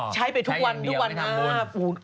ใช้ไปทุกวันเท่าว่ามั้ย